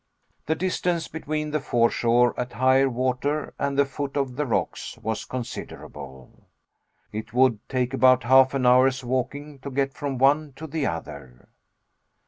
The distance between the foreshore at high water and the foot of the rocks was considerable. It would take about half an hour's walking to get from one to the other.